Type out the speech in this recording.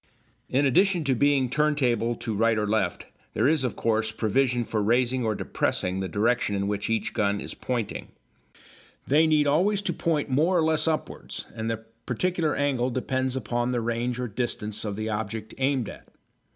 In addition to being turnable to right or left, there is, of course, provision for raising or depressing the direction in which each gun is pointing. They need always to point more or less upwards, and the particular angle depends upon the range or distance of the object aimed at.